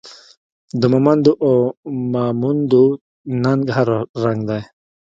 د مومندو او ماموندو ننګ هر رنګ دی